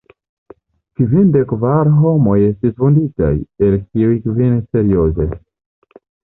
Kvindek kvar homoj estis vunditaj, el kiuj kvin serioze.